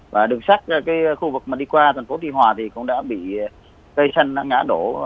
và đường sắt cái khu vực mà đi qua thành phố tuy hòa thì cũng đã bị cây xanh ngã đổ